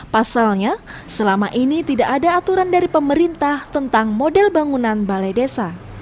pasalnya selama ini tidak ada aturan dari pemerintah tentang model bangunan balai desa